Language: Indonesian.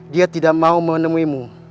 dia tidak mau menemuimu